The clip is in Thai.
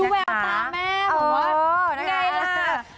ดูแววตาแม่ผมว่าไงล่ะ